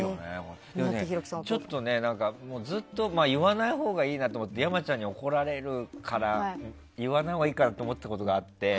でも、ちょっとずっと言わないほうがいいと思って山ちゃんに怒られるから言わないほうがいいかなと思ってたことがあって。